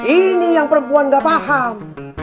ini yang perempuan gak paham